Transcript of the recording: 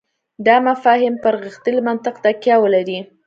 دا مفاهیم پر غښتلي منطق تکیه ولري.